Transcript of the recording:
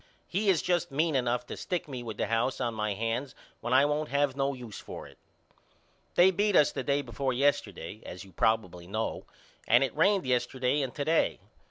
He is just mean enough to stick me with the house on my hands when I won't have no use for it. They beat us the day before yesterday as you probibly know and it rained yesterday and to day.